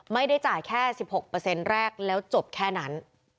ไม่ได้จ่ายแค่๑๖แรกแล้วจบแค่นั้น